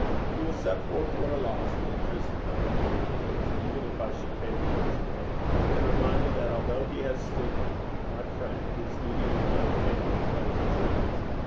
'He will set forth what a loss the interest of the money is, even if I should pay the principal; and remind me that although he has stood my friend, his duty to his own family imposes limits.